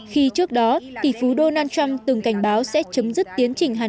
khi trước đó tỷ phú donald trump từng cảnh báo sẽ chấm dứt tiến trình hàn